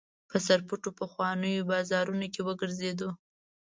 په سرپټو پخوانیو بازارونو کې وګرځېدو.